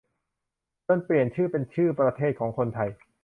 จนเปลี่ยนเป็นชื่อประเทศของคนไทย